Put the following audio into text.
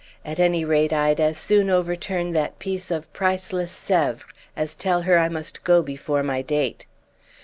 At any rate, I'd as soon overturn that piece of priceless Sèvres as tell her I must go before my date.